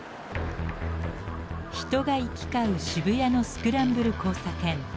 人が行き交う渋谷のスクランブル交差点。